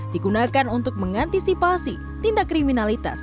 digunakan untuk mengantisipasi tindak kriminalitas